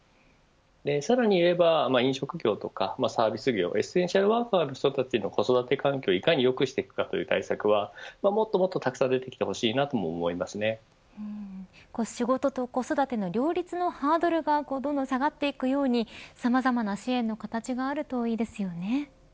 さらに言えば、飲食業やサービス業エッセンシャルワーカーの人たちの子育て環境をいかに良くしていく対策はもっともっとたくさん仕事と子育ての両立のハードルがどんどん下がっていくようにさまざまな支援の形があるといいですよね。